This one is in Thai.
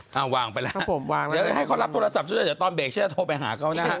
ใกล้ว่าใครแล้วน่ะ